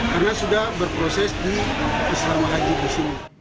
karena sudah berproses di selama haji di sini